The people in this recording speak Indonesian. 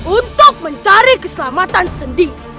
untuk mencari keselamatan sendiri